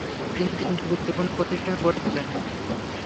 তিনি তিনটি গুরুত্বপূর্ণ প্রতিষ্ঠান গড়ে তোলেন।